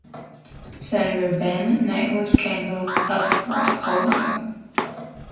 Senator Ben Nighthorse Campbell of Colorado.